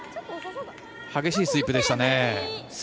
激しいスイープでしたね。